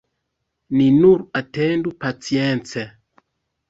Ni nur atendu pacience!